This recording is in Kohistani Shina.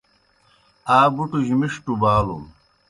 آ بُٹُج مِݜٹوْ بالُن۔